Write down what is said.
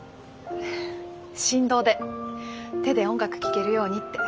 振動で手で音楽聴けるようにって。